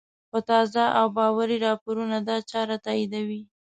خو تازه او باوري راپورونه دا چاره تاییدوي